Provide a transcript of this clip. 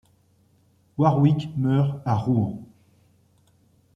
Warwick meurt à Rouen.